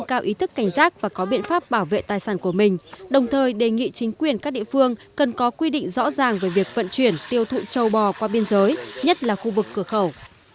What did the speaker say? cơ quan cảnh sát và có biện pháp bảo vệ tài sản của mình đồng thời đề nghị chính quyền các địa phương cần có quy định rõ ràng về việc vận chuyển tiêu thụ châu bò qua biên giới nhất là khu vực cửa khẩu